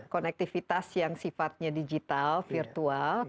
konektivitas yang sifatnya digital virtual